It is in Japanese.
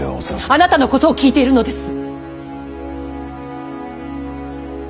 あなたのことを聞いているのです！